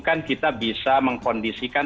kan kita bisa mengkondisikan